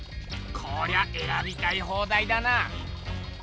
こりゃえらびたい放題だな！